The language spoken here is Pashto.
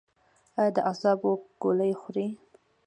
ایا د اعصابو ګولۍ خورئ؟